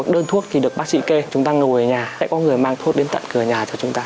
một đơn thuốc thì được bác sĩ kê chúng ta ngồi ở nhà hãy có người mang thuốc đến tận cửa nhà cho chúng ta